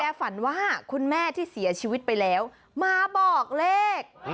ฝันว่าคุณแม่ที่เสียชีวิตไปแล้วมาบอกเลข